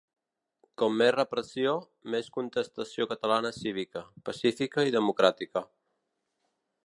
Com més repressió, més contestació catalana cívica, pacífica i democràtica.